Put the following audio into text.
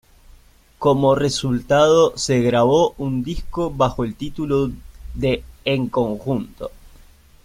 Como resultado se grabó un disco bajo el título de "En Conjunto".